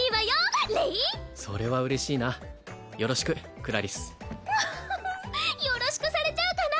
それは嬉しいなよろしくクラリスウッフフよろしくされちゃうかな